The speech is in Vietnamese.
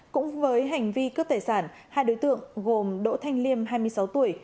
cũng với hành vi cướp tài sản hai đối tượng gồm đỗ thanh liêm hai mươi sáu tuổi